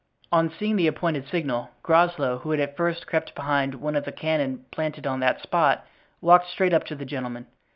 On seeing the appointed signal, Groslow, who had at first crept behind one of the cannons planted on that spot, walked straight up to the gentlemen.